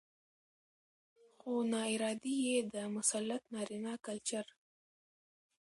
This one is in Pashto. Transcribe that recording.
؛ خو ناارادي يې د مسلط نارينه کلچر